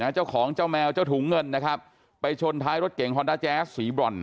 เจ้าของเจ้าแมวเจ้าถุงเงินนะครับไปชนท้ายรถเก่งฮอนด้าแจ๊สสีบรอน